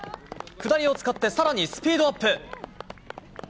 下りを使ってさらにスピードアップ。